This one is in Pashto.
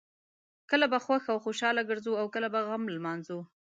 کله به خوښ او خوشحاله ګرځو او کله به غم لمانځو.